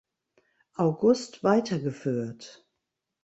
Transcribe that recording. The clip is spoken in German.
August weitergeführt.